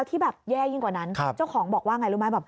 ที่แย่ขวาเจ้าของบอกว่า